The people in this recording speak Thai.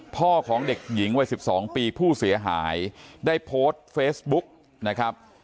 พ่อของเด็กหญิงวัย๑๒ปีผู้เสียหายได้โพสต์เฟซบุ๊กนะครับ